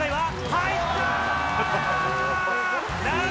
入ったー！